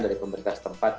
dari pemerintah setempat